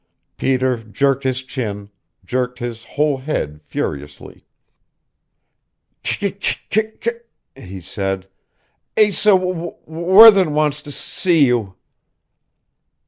Peter jerked his chin, jerked his whole head furiously. "C C C " he said. "Asa W W Worthen wants to s s see you."